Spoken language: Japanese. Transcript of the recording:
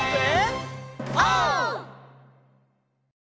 オー！